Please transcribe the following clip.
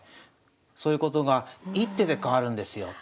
そういうことが一手で変わるんですよ。